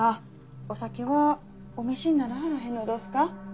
お酒はお召しにならはらへんのどすか？